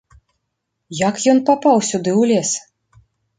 Як ён папаў сюды ў лес?